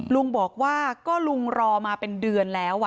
ลุงบอกว่าก็ลุงรอมาเป็นเดือนแล้ว